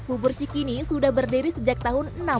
bubur cikini sudah berdiri sejak tahun